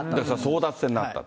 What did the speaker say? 争奪戦になった。